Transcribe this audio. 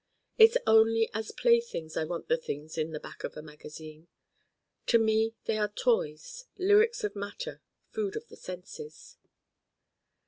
It's only as playthings I want the Things in the Back of a magazine. To me they are toys, lyrics of matter, food of the senses.